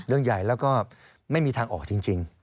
เรื่องใหญ่แล้วก็ไม่มีทางออกจริง